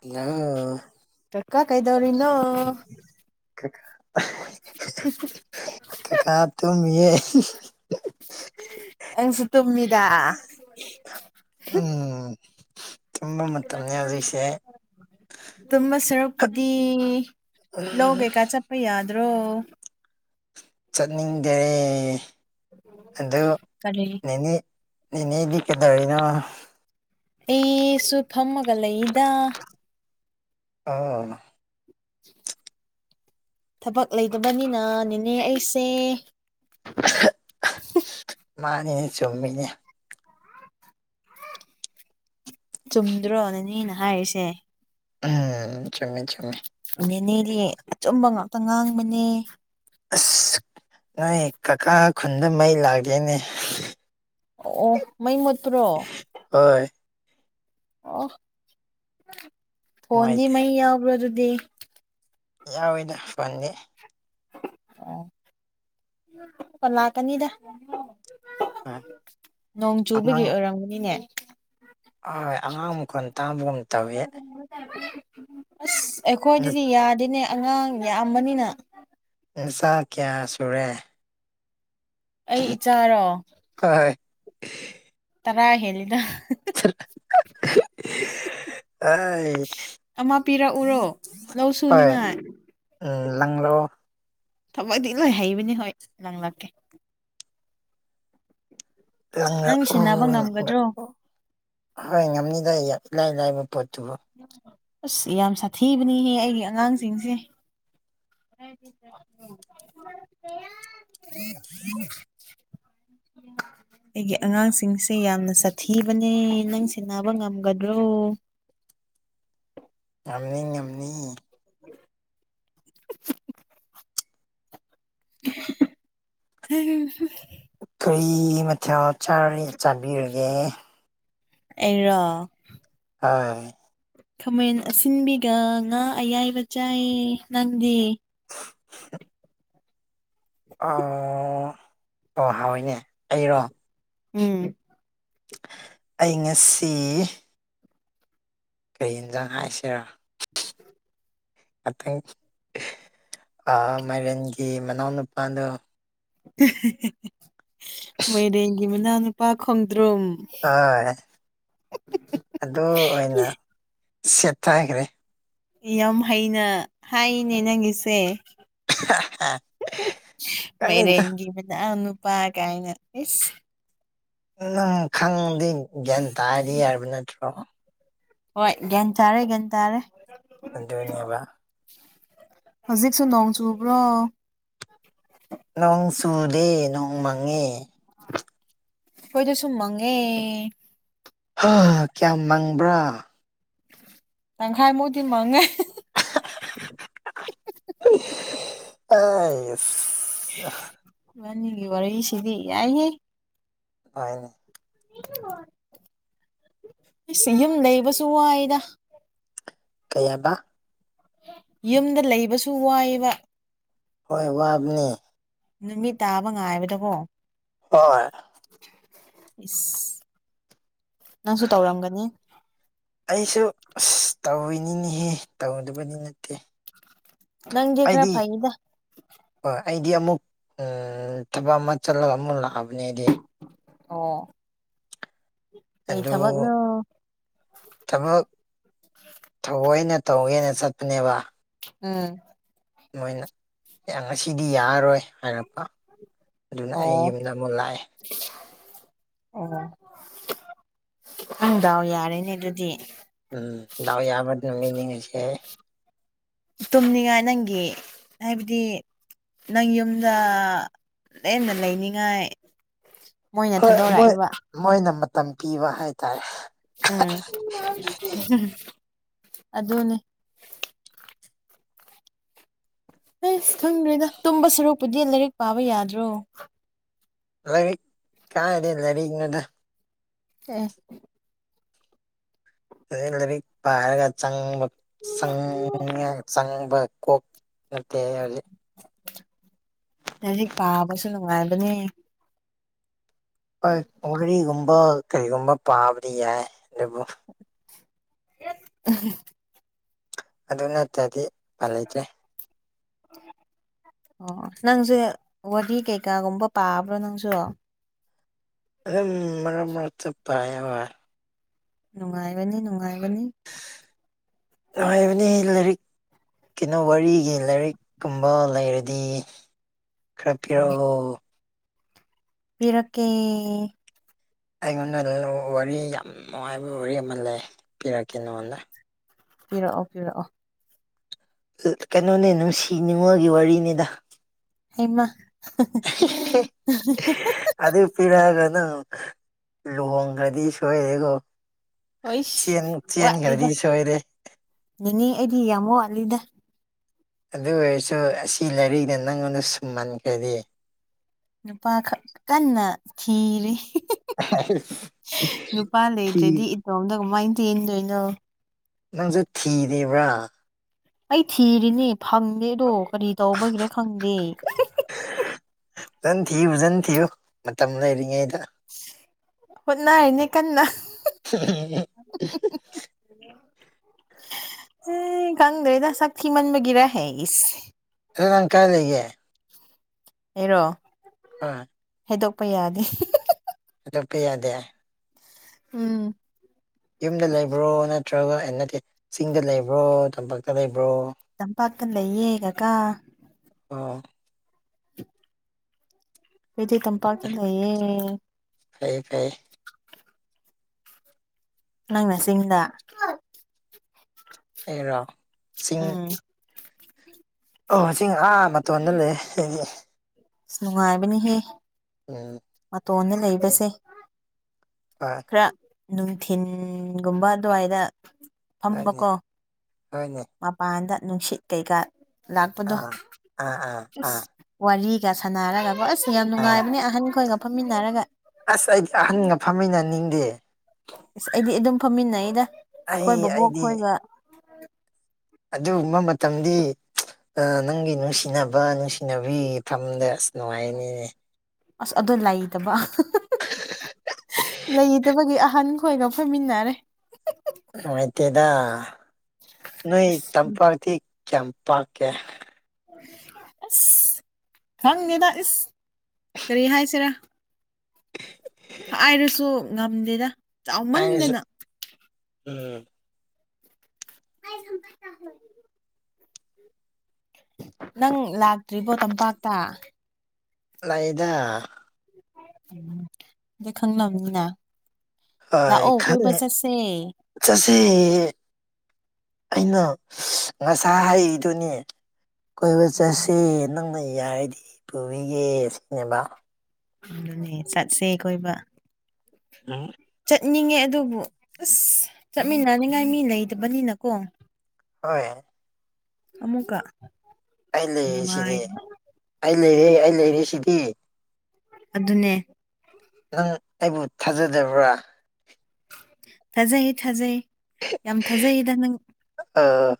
hello ꯆꯀꯥ ꯀꯩꯗꯧꯔꯤꯅ ꯀ ꯎ ꯀꯀꯥꯠꯇ ꯃꯤ ꯇꯨꯝꯃꯤꯗꯥ ꯎꯝ ꯇꯨꯝꯕ ꯃꯇꯝꯅꯦ ꯍꯧꯖꯤꯛꯁꯦ ꯇ ꯁꯔ ꯕꯨꯗꯤ ꯂ ꯎꯝ ꯀꯩꯀꯥ ꯆꯠꯄ ꯌꯥꯗ꯭ꯔꯣ ꯆꯠꯅꯤꯡꯗꯔꯦ ꯑꯗꯨ ꯀꯔꯤ ꯅꯅꯤ ꯏꯅꯦꯗꯤ ꯀꯗꯔꯅ ꯑꯩꯁꯨ ꯐꯝꯃꯒ ꯂꯩꯗ ꯑꯥ [inaudible] ꯊꯕꯛ ꯂꯩꯇꯕꯅꯤꯅ ꯅꯅꯦ ꯑꯩꯁꯦ [unintelligible] ꯃꯥꯅꯤꯅꯦ ꯆꯨꯝꯃꯤꯅꯦ ꯆꯨꯝꯗ꯭ꯔꯣꯅꯅꯦꯅ ꯍꯥꯏꯔꯤꯁꯦ ꯎꯝ ꯆꯃꯦ ꯆꯃꯦ ꯅꯦꯦꯅꯦꯅꯦ ꯑ ꯆꯨꯝꯕ ꯉꯥꯛꯇ ꯉꯥꯡꯕꯅꯦ ꯑꯁ ꯅꯣꯏ ꯀꯀꯥ ꯈꯨꯟꯗ ꯃꯩ ꯂꯥꯛꯒꯦꯅꯦ ꯑꯣ ꯃ ꯃ ꯍ ꯑꯣ ꯐꯣꯟꯗꯤ ꯅꯨꯡꯉꯥꯏꯇꯦ ꯃ ꯌꯥꯎꯕ꯭ꯔ ꯑꯗꯨꯗꯤ ꯌꯥꯎꯋꯤꯗ ꯐꯅꯤ ꯑꯣ ꯀꯂꯥ ꯀꯅꯤꯗ ꯍꯣꯏ ꯅꯣꯡ ꯆꯨꯕꯒꯤ ꯑꯉꯥꯡ ꯑꯣꯏꯔꯝꯒꯅꯤꯅꯦ ꯍꯣꯏ ꯑꯉ ꯑꯃꯈ ꯇꯥꯕ ꯑꯁ ꯑꯩꯈꯣꯏꯗꯗꯤ ꯌꯥꯗꯦꯅꯦ ꯑꯉꯥꯡ ꯌꯥꯝꯕꯅꯤꯅ ꯁꯥ ꯀꯌꯥ ꯁꯨꯔꯦ ꯑꯩ ꯏꯆꯥꯔꯣ [unintelligible] ꯇꯔꯥ ꯍꯗ [unintelligible] ꯍꯣꯏ ꯑꯃ ꯄꯤꯔꯛꯎꯔꯣ ꯂꯧ ꯁꯨꯅꯤꯉꯥꯏ ꯎ ꯂꯪꯂꯣ ꯊꯕꯛꯗꯤ ꯂꯣꯏ ꯍꯩꯕꯅꯤ ꯍꯣꯏ ꯅꯪꯂꯪꯂꯛꯀꯦ ꯅꯪ ꯂꯪꯂꯛꯎ ꯁꯤꯟꯅꯕ ꯉꯝꯒꯗ꯭ꯔꯣ ꯂꯪꯂꯛꯎ ꯍꯣꯏ ꯉꯝꯅꯤꯗ ꯏꯂꯥꯏ ꯂꯥꯏꯕ ꯄꯣꯠ ꯑꯁ ꯌꯥꯝ ꯁꯥꯊꯤꯕꯅꯤꯍꯦ ꯑꯩꯒꯤ ꯑꯉꯥꯡꯁꯤꯡꯁꯦ ꯎꯝ ꯎꯝ ꯎ ꯑꯩꯒꯤ ꯑꯉꯥꯡꯁꯤꯡꯁꯦ ꯌꯥꯝꯅ ꯁꯥꯊꯤꯕꯅꯦ ꯅꯪ ꯁꯤꯦꯟꯅꯕ ꯉꯝꯒꯗ꯭ꯔꯣ [unintelligible] ꯌꯥꯝꯅꯤ ꯌꯥꯝꯅꯤ ꯍ ꯀꯔꯤ ꯃꯊꯦꯜ ꯆꯥꯕꯤꯔꯒꯦ ꯑꯦꯔ ꯍ ꯈꯥꯃꯦꯟ ꯑꯁꯤꯟꯕꯤꯒ ꯉꯥ ꯑꯌꯥꯏꯕ ꯆꯥꯏ ꯅꯪꯗꯤ [inaudible] ꯑꯣ ꯑꯣ ꯍꯏꯅꯦ ꯑꯩꯔꯣ ꯎꯝ ꯑꯩ ꯉꯁꯤ ꯀꯩ ꯌꯦꯟꯖꯥꯡ ꯍꯥꯏꯁꯤꯔ ꯉꯇꯪ ꯃꯥꯏꯔꯦꯟꯒꯤ ꯃꯅꯥꯎ ꯅꯨꯨꯄꯥꯗꯣ ꯃꯣꯏꯔꯦꯡꯒꯤ ꯃꯅꯥꯎ ꯅꯨꯄꯥ ꯈꯪ ꯍꯣꯏ ꯑꯗꯨ ꯑꯣꯏꯅ ꯁꯦꯠ ꯇꯥꯏꯈ ꯔꯦ ꯌꯥꯝ ꯍꯩꯅ ꯍꯥꯏꯅꯦ ꯅꯪꯒꯤꯁꯦ ꯃ ꯈꯪꯗꯦꯗ ꯔꯒꯤ ꯃꯗꯥ ꯄꯥ ꯀꯥꯏꯅꯁ ꯑꯗꯨꯝ ꯈꯪꯗꯤ ꯒ꯭ꯌꯥꯟ ꯇꯥꯔꯤ ꯍꯥꯏꯕ ꯅꯠꯇ꯭ꯔꯣ ꯍꯣꯏ ꯟ ꯆꯥꯔꯦ ꯒꯟ ꯆꯥꯔꯦ ꯇꯖꯒꯅꯤꯕ ꯍꯧꯖꯤꯛꯁꯨ ꯅꯍꯎ ꯆꯣ ꯣ ꯅꯣꯡ ꯆꯨꯗꯦ ꯅꯣꯡ ꯃꯪꯉꯦ ꯍꯣꯏꯗ ꯁꯨꯝ ꯃꯒꯦ ꯀꯌꯥꯝ ꯃꯪꯕ꯭ꯔꯥ ꯇꯪꯈꯥꯏ ꯃꯣꯏꯗꯤꯤꯟ ꯃꯥꯉꯦ ꯑ ꯑ ꯃꯅꯤꯒꯤ ꯋꯥꯔꯤꯁꯤꯗꯤ ꯌꯥꯏꯌꯦꯦ ꯇꯅꯦ [inaudible] ꯑꯩꯁ ꯌꯨꯝ ꯂꯩꯕꯁꯨ ꯋꯥꯏꯗ ꯀꯩ ꯍꯥꯏꯕ ꯌꯨꯝꯗ ꯂꯩꯕꯁꯨ ꯋꯥꯏꯑꯕ ꯍꯣꯏ ꯋꯥꯕꯅꯦ ꯅꯨꯃꯤꯠ ꯇꯥꯕ ꯉꯥꯏꯕꯗꯀꯣ ꯍꯣꯏ ꯏꯁ ꯅꯪꯁꯨ ꯇꯧꯔꯝꯒꯅꯤ ꯑꯩꯁꯨ ꯑꯁ ꯇꯧꯤꯅꯤꯅꯤꯍꯦ ꯇꯧꯗꯕꯗꯤ ꯅꯠꯇꯦ ꯅꯪ ꯌꯦꯦꯈ꯭ꯔ ꯑꯩꯗꯤ ꯐꯩꯗ ꯍꯣꯏ ꯑꯩꯗꯤ ꯑꯃꯨꯛ ꯊꯕꯛ ꯑꯃ ꯆꯠꯂꯒ ꯑꯃꯨꯛ ꯂꯥꯛꯑꯕꯅꯦ ꯑꯩꯗꯤ ꯑꯣ ꯀꯩ ꯑꯗꯨ ꯊꯕꯛꯅꯣ ꯊꯕꯛ ꯊꯑꯣꯏꯅ ꯇꯧꯒꯦꯅ ꯆꯠꯄꯅꯦꯕ ꯎꯝ ꯃꯣꯏꯅ ꯉꯁꯤꯗꯤ ꯌꯥꯔꯔꯣꯏ ꯍꯥꯏꯔꯛꯄ ꯑꯗꯨꯅ ꯑꯩ ꯌꯨꯝꯗ ꯑꯃꯨꯛ ꯂꯥꯛꯑꯦ ꯑꯣꯅꯨꯡꯗꯥꯎ ꯌꯥꯔꯦꯅꯦ ꯑꯗꯨꯗꯤ ꯎꯝ ꯎ ꯌꯥꯕꯠ ꯅ ꯃꯤꯅꯤꯁ ꯇꯨꯝꯅꯤꯡꯉꯥꯏ ꯅꯪꯒꯤ ꯍꯥꯏꯕꯗꯤ ꯅꯪ ꯌꯨꯝꯗ ꯂꯦꯝꯅ ꯂꯩꯅꯤꯡꯉꯥꯏ ꯃꯣꯏꯅ ꯍꯣꯏ ꯃꯣꯏ ꯊꯥꯗꯣꯔꯛꯏꯕ ꯃꯣꯏꯅ ꯃꯇꯝ ꯄꯤꯕ ꯍꯥꯏꯇꯥꯔꯦ ꯑꯝ ꯑꯗꯨꯅꯦ ꯍꯁ ꯈꯪꯗ꯭ꯔꯔꯤꯗ ꯇꯨꯝꯕ ꯁꯔꯨꯛꯄꯨꯗꯤ ꯂꯥꯏꯔꯤꯛ ꯄꯥꯕ ꯌꯥꯗ꯭ꯔꯣ ꯂꯔꯤ ꯀꯗꯤ ꯂꯩꯔꯤꯅꯗ ꯑ ꯑ ꯂꯥꯏꯔꯤꯛ ꯄꯥꯏꯔꯒ ꯆꯕ ꯆ ꯆꯪꯕ ꯀꯣꯛ ꯑꯠꯇ ꯍꯧꯖꯤꯛ ꯄꯥꯕꯁꯨ ꯅꯨꯡꯉꯥꯏꯕꯅꯦ ꯍꯣꯏ ꯃꯣꯔꯤꯒꯨꯝꯕ ꯀꯔꯤꯒꯨꯝꯕ ꯄꯥꯕꯗꯤ ꯌꯥꯏ ꯑꯗꯨꯕꯨ ꯎꯝ ꯑꯗꯨ ꯅꯠꯇ꯭ꯔꯗꯤ ꯄ ꯂꯩꯇ꯭ꯔꯦ ꯑ ꯑꯣ ꯅꯪꯁꯦ ꯋꯥꯔꯤ ꯀꯩꯀꯥꯒꯨꯝꯕ ꯄꯥꯕ꯭ꯔꯣ ꯅꯪꯁꯨ ꯑ ꯃꯔ ꯃꯔ ꯆ ꯄꯕ ꯅꯨꯡꯉꯥꯏꯕꯅꯤ ꯅꯨꯡꯉꯥꯏ ꯏꯕ ꯂꯩꯔꯤꯛ ꯀꯩꯅꯣ ꯋꯥꯔꯤꯒꯤ ꯂꯥꯏꯔꯤꯛꯀꯨꯝꯕ ꯂꯩꯔꯗꯤ ꯈ ꯑꯣ ꯄꯤꯔꯛꯀꯦ ꯑꯩꯉꯣꯟꯗ ꯋꯥꯔꯤ ꯌꯥꯝ ꯅꯨꯡꯉꯥꯏꯕ ꯋꯥꯔꯤ ꯑꯃ ꯂꯩ ꯄꯤꯔꯛꯀꯦ ꯅꯉꯣꯟꯗ ꯄꯤꯔꯛꯑꯣ ꯄꯤꯔꯛꯑꯣ ꯀꯩꯅꯣꯅꯦ ꯅꯨꯡꯁꯤꯅꯤꯡꯉꯒꯤ ꯋꯥꯔꯤꯅꯤꯗ ꯍꯃ ꯑꯗ ꯄꯤ ꯍꯥꯏꯒ ꯑ ꯂꯍꯣꯡꯒꯥꯗꯤ ꯁꯣꯏꯂꯩꯒꯣ ꯍꯣꯏ ꯋꯥꯠꯂꯤꯗ ꯁꯣꯏꯔꯦ ꯅꯅꯤ ꯑꯩꯗꯤ ꯌꯥꯝ ꯋꯥꯠꯂꯤꯗ ꯑꯗꯨ ꯑꯣꯏꯔꯁꯨ ꯑꯁꯤ ꯂꯥꯏꯔꯤꯛꯗ ꯅꯪꯉꯣꯟꯗ ꯁꯨꯝꯃꯟꯈ꯭ꯔꯗꯤ ꯅꯨꯄꯥꯈꯛ ꯀꯟꯅ ꯊꯤꯔꯤ ꯅꯨꯄꯥ ꯊꯤ ꯂꯩꯇ꯭ꯔꯗꯤ ꯏꯇꯣꯝꯗ ꯀꯃꯥꯏꯅ ꯇꯦꯟꯗꯣꯏꯅꯣ ꯃꯁꯦ ꯊꯤꯗꯦꯕ꯭ꯔꯥ ꯑꯩ ꯊꯤꯔꯤꯅꯦ ꯐꯪꯗꯦꯗꯣ ꯀꯔꯤ ꯇꯧꯕꯒꯤꯔꯦ ꯈꯪꯗꯦ ꯐꯟ ꯊꯤ ꯖꯟ ꯊꯨ ꯃꯔꯤꯉꯦ ꯍꯅꯥꯅꯦ ꯀꯟꯅ ꯑ ꯎ ꯀꯪꯗꯦꯗ ꯁꯛꯀꯤ ꯃꯟ ꯃꯒꯔ ꯍꯥꯏ ꯏ ꯪ ꯀꯥꯏ ꯂꯩꯒꯦ ꯑꯦꯔꯣ ꯑ ꯍꯥꯏꯩꯗꯣꯛꯄ ꯌꯥꯗꯦ ꯔꯄ ꯌꯥꯗꯦ ꯎꯝ ꯌꯨꯝꯗ ꯂꯩꯕ꯭ꯔꯣ ꯅꯠꯇ꯭ꯔꯒ ꯅꯠꯇꯦ ꯆꯤꯡꯗ ꯂꯩꯕ꯭ꯔꯣ ꯇꯝꯄꯥꯛꯇ ꯂꯩꯕ ꯆꯝꯄꯥꯛꯇꯅ ꯏꯦꯒ ꯀ ꯑꯥ ꯄꯗꯤ ꯆꯝꯄꯥꯛꯀꯤ ꯂꯩꯌꯦ ꯐꯩꯌꯦ ꯐꯩꯌꯦ ꯅꯪꯅ ꯆꯤꯡꯗ ꯑꯩꯔꯣ ꯆꯤꯡ ꯎꯝ ꯑꯣ ꯆꯤꯡ ꯑꯥ ꯃꯇꯣꯟꯗ ꯂꯩ ꯅꯨꯡꯉꯥꯏꯕꯅꯤꯍ ꯎꯝ ꯇꯣꯟꯅ ꯂꯩꯕꯁꯦ ꯍꯣꯏ ꯅꯨꯡꯊꯤꯤꯟꯒꯨꯝꯕ ꯑꯗꯨꯋꯥꯏꯗ ꯍꯣꯏꯅꯦ ꯐꯝꯕꯀꯣ ꯍꯣꯏꯅꯦ ꯃꯄꯥꯟꯗ ꯅꯨꯡꯁꯤꯠ ꯀꯩꯀꯥ ꯂꯥꯛꯄꯗꯣ ꯑꯥ ꯑꯥ ꯑꯥ ꯑꯁ ꯑꯥ ꯋꯥꯔꯤ ꯀꯌꯥ ꯁꯥꯟꯅꯔꯒ ꯣ ꯑꯁ ꯌꯥꯝ ꯑꯥ ꯅꯨꯡꯉꯥꯏꯕꯅꯦ ꯑꯍꯟꯈꯣꯏꯒ ꯐꯝꯃꯤꯟꯅꯔꯒ ꯑꯁ ꯑꯩꯗꯤ ꯑꯍꯟꯒ ꯐꯝꯃꯤꯟꯅꯅꯤꯡꯗꯦ ꯑꯁ ꯑꯩꯗꯤ ꯑꯗꯨꯝ ꯐꯝꯃꯤꯟꯅꯩꯗ ꯑꯩ ꯑꯩꯈꯣꯏ ꯕꯕꯣꯛ ꯑꯩꯗꯤ ꯈꯣꯏꯕ ꯑꯗꯨꯒꯨꯝꯕ ꯃꯇꯝꯗꯤ ꯅꯪꯒꯤ ꯅꯨꯡꯁꯤꯅꯕ ꯅꯨꯡꯁꯤ ꯍꯩꯅꯕꯤꯒꯤ ꯐꯝꯗ ꯑꯁ ꯅꯨꯡꯉꯥꯏꯅꯤꯅꯦ ꯑꯁ ꯑꯗꯨ ꯂꯩꯇꯕ ꯂꯩꯇꯕꯒꯤ ꯑꯍꯟ ꯑꯩꯈꯣꯏꯒ ꯐꯣꯏꯃꯤꯟꯅꯔꯦ ꯃꯣꯏꯠꯇꯗ ꯅꯣꯏ ꯆꯝꯄꯥꯛꯄꯥꯛꯇ ꯆꯝꯄꯀꯦ ꯑꯁ ꯈꯪꯉꯦꯗ ꯏꯁꯁ ꯀꯔꯤ ꯍꯥꯏꯁꯤꯔꯥ ꯍꯥꯏ ꯍꯥꯏꯔꯁꯨ ꯉꯝꯗꯦꯅ ꯑꯩꯅꯁꯨ ꯆꯥꯎꯃꯟꯗꯅ ꯎꯝ ꯅ ꯀꯌꯥ ꯍꯥꯏ ꯅꯪ ꯂꯥꯛꯇ꯭ꯔꯤꯕꯣ ꯇꯝꯄꯥꯛꯇ ꯂꯩꯗ ꯎꯝ ꯑꯗꯩ ꯈꯪꯕꯅꯤꯅ ꯍꯣꯏ ꯂꯥꯛꯑꯣ ꯀꯣꯏꯕ ꯆ ꯆꯁꯦ ꯁ ꯑꯩꯅ ꯉꯁꯥ ꯍꯥꯏꯔꯤꯗꯨꯅꯤ ꯀꯣꯏꯕ ꯎꯝ ꯆꯠꯁꯤ ꯅꯪꯅ ꯌꯥꯔꯗꯤ ꯄꯨꯕꯤꯒꯦ ꯁꯤꯅꯦꯕ ꯑꯗꯨꯅꯦ ꯆꯠꯁꯦ ꯀꯣꯏꯕ ꯎꯝ ꯆꯠꯅꯤꯡꯉꯦ ꯑꯗꯨꯕꯨ ꯑꯁ ꯆꯠꯃꯤꯟꯅꯅꯤꯉꯥꯏ ꯃꯤ ꯂꯩꯇꯕꯅꯤꯅꯀꯣ ꯍꯣꯏ ꯑꯃꯨꯛꯀ ꯑꯩ ꯂꯩꯔꯦ ꯅꯨꯡꯉꯥꯏ ꯁꯤꯗꯤ ꯑꯩ ꯂꯩꯔꯦ ꯑꯩ ꯂꯩꯔꯦ ꯁꯤꯗꯤ ꯑꯗꯨꯅꯦ ꯅꯪ ꯑꯩꯕꯨ ꯊꯥꯖꯗꯕ꯭ꯔꯥ ꯊꯥꯖꯩ ꯊꯥꯖꯩ ꯌꯥꯝ ꯊꯥꯖꯩꯌꯦꯗ ꯅꯪ ꯑꯥ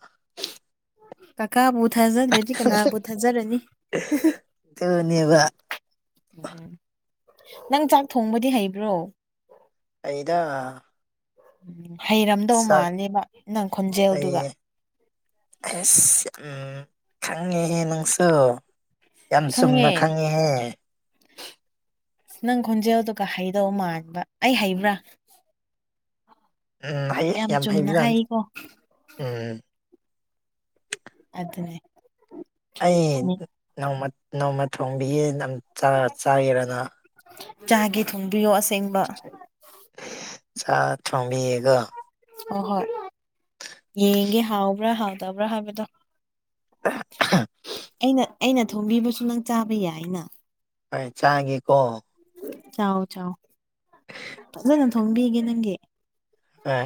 ꯀꯀꯥꯕꯨ ꯊꯥꯖꯗ꯭ꯔꯗꯤ ꯀꯅꯥꯕꯨ ꯊꯥꯖꯔꯅꯤ ꯑꯗꯨꯅꯦꯕ ꯎꯝ ꯎ ꯅꯪ ꯆꯥꯛ ꯊꯣꯡꯕꯗꯤ ꯍꯩꯕ꯭ꯔꯣ ꯑꯩꯗ ꯎꯝ ꯍꯩꯔꯝꯗꯧ ꯃꯥꯜꯅꯦꯕ ꯅꯪ ꯈꯣꯟꯖꯦꯜꯗꯨꯒ ꯑꯩ ꯈꯪꯉꯤꯍꯦ ꯅꯪꯁꯨ ꯌꯥꯝ ꯆꯨꯝꯅ ꯈꯪꯉꯦ ꯈꯪꯉꯤꯍꯦ ꯅꯪ ꯈꯣꯟꯖꯦꯜꯗꯨꯒ ꯍꯩꯗꯧ ꯃꯥꯟꯕ ꯑꯩ ꯍꯩꯕ꯭ꯔꯥ ꯎꯝ ꯍꯩꯌꯦ ꯌꯥꯝ ꯆꯨꯝꯅ ꯍꯩꯕꯖꯥꯅꯤ ꯍꯥꯏꯀꯣ ꯎꯝ ꯑꯗꯨꯗꯅꯦ ꯑꯩ ꯅꯣꯡꯃ ꯊꯣꯡꯕꯤꯒꯤ ꯆꯥꯒꯔꯅ ꯆꯥꯒꯤ ꯊꯣꯡꯕꯤꯌꯣ ꯑꯁꯦꯡꯕ ꯆ ꯊꯃꯤꯒ ꯍ ꯍꯣꯏ ꯌꯦꯡꯒꯦ ꯍꯥꯎꯕ꯭ꯔꯥ ꯍꯥꯎꯗꯕ꯭ꯔꯥ ꯍꯥꯏꯕꯗꯣ ꯑꯩꯅ ꯑꯩꯅ ꯊꯣꯝꯕꯤꯕꯁꯨ ꯅꯪ ꯆꯥꯕ ꯌꯥꯏ ꯑꯅ ꯍꯣꯏ ꯆꯥꯒꯦ ꯀꯣ ꯆꯥꯎ ꯆꯥꯎ ꯐꯖꯅ ꯊꯣꯡꯕꯤꯒꯦ ꯅꯪꯒꯤ ꯍꯣꯏ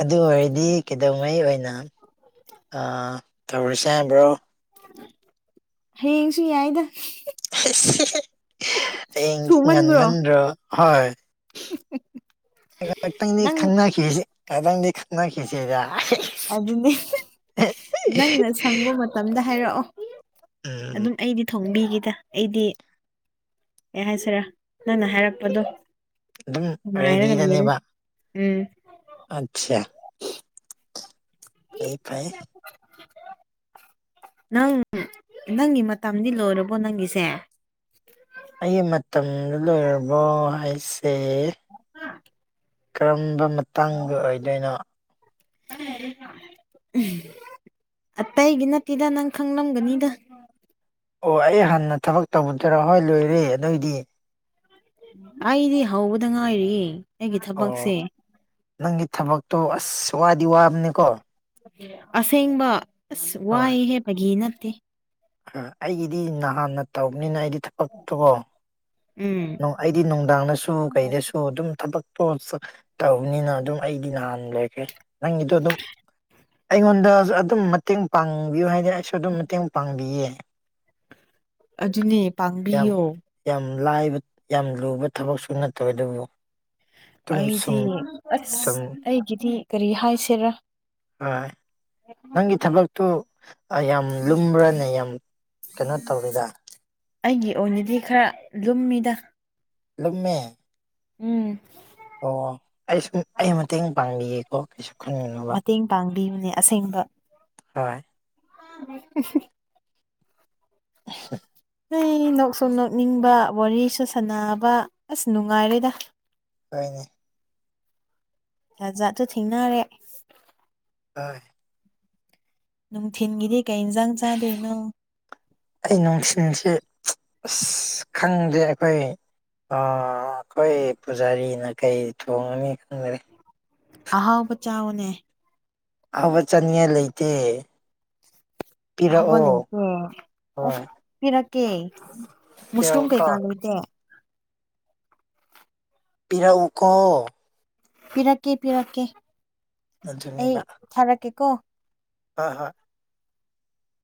ꯑꯗꯨ ꯑꯣꯏꯔꯗꯤ ꯀꯩꯗꯧꯉꯩ ꯑꯣꯏꯅ ꯇꯥꯔꯁ ꯍ꯭ꯔꯣ ꯍꯌꯦꯡꯁꯨ ꯌꯥꯏꯗ ꯑꯩ ꯊꯨꯃꯟꯕ꯭ꯔꯣ ꯉꯟꯃꯟꯗ꯭ꯔ ꯍ ꯈꯇꯪꯗꯤ ꯅꯪ ꯈꯪꯅꯈꯤꯁꯤ ꯈꯇꯪ ꯑꯗꯨꯅꯦ ꯅꯪꯅ ꯁꯪꯕ ꯃꯇꯝꯗ ꯍꯥꯏꯔꯛꯑꯣ ꯎꯝ ꯑꯗꯨꯝ ꯑꯩꯗꯤ ꯊꯣꯡꯕꯤꯒꯦ ꯗ ꯑꯩꯗꯤ ꯑꯩ ꯍꯥꯏꯖꯔꯦ ꯅꯪꯅ ꯍꯥꯏꯔꯛꯄꯗꯣ ꯑꯗꯨꯝ ꯉꯥꯏꯔꯒ ꯂꯩꯔꯦ ꯔꯦꯗꯤꯗꯅꯦꯕ ꯎꯝ ꯑꯆꯥ ꯐꯌꯦ ꯐꯌꯦ [inaudible] ꯅꯪ ꯅꯪꯒꯤ ꯃꯇꯝꯗꯤ ꯂꯣꯏꯔꯕꯣ ꯅꯪꯒꯤꯁꯦ ꯑꯩꯒꯤ ꯃꯇꯝꯗ ꯂꯣꯏꯔꯕꯣ ꯍꯥꯏꯁꯦ ꯀꯔꯝꯕ ꯃꯇꯥꯡꯗ ꯑꯣꯏꯗꯣꯏꯅꯣ ꯎꯝ ꯑꯇꯩꯒꯤ ꯅꯠꯇꯦꯗ ꯅꯪ ꯈꯪꯂꯝꯒꯅꯤꯗ ꯑꯣ ꯑꯩ ꯍꯥꯟꯅ ꯊꯕꯛ ꯇꯧꯕꯗꯔꯥ ꯍꯣꯏ ꯂꯣꯏꯔꯦ ꯑꯗꯨꯏꯗꯤ ꯑꯩꯗꯤ ꯍꯧꯕꯗ ꯉꯥꯏꯔꯤ ꯑꯣ ꯅꯪꯒꯤ ꯊꯕꯛꯇꯣ ꯑꯁ ꯋꯥꯗꯤ ꯋꯥꯕꯅꯤꯀꯣ ꯑꯁꯦꯡꯕ ꯑꯁ ꯋꯥꯏ ꯍꯦꯄꯒꯤ ꯅꯠꯇꯦ ꯑ ꯑꯩꯒꯤꯗꯤ ꯅꯍꯥꯟꯅ ꯇꯧꯕꯅꯤꯅ ꯑꯩꯗꯤ ꯊꯕꯛꯇꯨꯀꯣ ꯎꯝ ꯑꯩꯗꯤ ꯅꯨꯡꯗꯥꯡꯗꯁꯨ ꯀꯩꯗꯁꯨ ꯑꯗꯨꯝ ꯊꯕꯛ ꯏꯁꯄꯣꯔꯠꯁ ꯇꯧꯕꯅꯤꯅ ꯑꯗꯨꯝ ꯑꯩꯗꯤ ꯅꯍꯥꯟ ꯂꯩꯈ꯭ꯔꯦ ꯅꯪꯒꯤꯗꯣ ꯑꯗꯨꯝ ꯑꯩꯉꯣꯟꯗꯁꯨ ꯑꯗꯨꯝ ꯃꯇꯦꯡ ꯄꯥꯡꯕꯤꯌꯨ ꯍꯥꯏꯗꯤ ꯑꯩꯁꯨ ꯑꯗꯨꯝ ꯃꯇꯦꯡ ꯄꯥꯡꯕꯤꯌꯦ ꯑꯗꯨꯅꯦ ꯌꯥꯝ ꯄꯥꯡꯕꯤꯌꯣ ꯌꯥꯝ ꯂꯥꯏꯕ ꯌꯥꯝ ꯂꯨꯕ ꯊꯕꯛꯁꯨ ꯅꯠꯇꯧꯋꯦ ꯑꯗꯨꯕꯨ ꯑꯗꯨꯝ ꯁꯨꯝ ꯑꯩꯗꯤ ꯁꯨꯝ ꯑꯁ ꯑꯩꯒꯤꯗꯤ ꯀꯔꯤ ꯍꯥꯏꯁꯤꯔꯥ ꯍ ꯅꯪ ꯏ ꯆꯂꯠꯇꯨ ꯌꯥꯝ ꯂꯨꯝꯕ꯭ꯔꯅꯦ ꯌꯥꯝ ꯀꯩꯅꯣ ꯇꯧꯔꯤꯗ ꯑꯩꯒꯤ ꯑꯣꯏꯅꯗꯤ ꯈꯔ ꯂꯨꯝꯃꯤꯗ ꯂꯨꯝꯃꯦ ꯎꯝ ꯑꯣ ꯑꯩꯁꯨꯨꯝ ꯑꯩ ꯃꯇꯦꯡ ꯄꯥꯡꯕꯤꯌꯦꯀꯣ ꯃꯇꯦꯡ ꯄꯥꯡꯕꯤꯕꯅꯦ ꯑꯁꯦꯡꯕ ꯍꯣꯏ [inaudible] [inaudible] ꯅꯣꯏ ꯅꯣꯛꯁꯨꯨꯝ ꯅꯣꯛꯅꯤꯡꯕ ꯋꯥꯔꯤꯁꯨ ꯁꯥꯟꯅꯕ ꯑꯁ ꯅꯨꯡꯉꯥꯏꯔꯦꯗ ꯍꯅꯦ ꯖꯥꯠꯠꯇꯣ ꯊꯦꯡꯅꯔꯦ ꯍ ꯅꯨꯡꯊꯤꯟꯒꯤꯗꯤ ꯀꯩ ꯏꯟꯁꯥꯡ ꯆꯥꯗꯣꯏꯅꯣ ꯑꯩ ꯅꯨꯡꯁꯤꯁꯦ ꯑ ꯈꯪꯗꯦ ꯑꯩꯈꯣꯏ ꯑꯩꯈꯣꯏ ꯄꯨꯖꯥꯔꯤꯅ ꯀꯩ ꯊꯣꯡꯉꯅꯤ ꯈꯪꯖꯦ ꯑꯍꯥꯎꯕ ꯆꯥꯎꯅꯦ ꯑꯕ ꯆꯟꯉ ꯂꯩꯇꯦ ꯍꯕ ꯄꯤꯔꯛꯑꯣ ꯂꯩꯦꯇ ꯑꯣ ꯍꯣꯏ ꯐꯤꯔꯀꯦ ꯃꯁꯔꯨꯝ ꯄꯤꯔꯛꯎꯀꯣ ꯀꯩꯀꯥ ꯂꯩꯇꯦ ꯄꯔ ꯎꯀꯣ ꯄꯤꯔꯛꯀꯦ ꯄꯤꯔꯛꯀꯦ ꯑꯩ ꯊꯥꯔꯛꯀꯦ ꯀꯣ ꯑ ꯍ